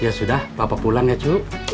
ya sudah papa pulang ya cu